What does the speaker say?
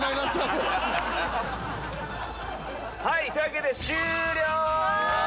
はいというわけで終了！